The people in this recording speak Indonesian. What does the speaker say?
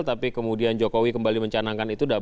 tapi kemudian jokowi kembali mencanangkan itu